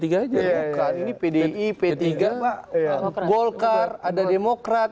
bukan ini pdi p tiga golkar ada demokrat